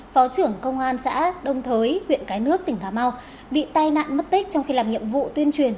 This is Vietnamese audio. phó trưởng công an xã đông thới huyện cái nước tỉnh cà mau bị tai nạn mất tích trong khi làm nhiệm vụ tuyên truyền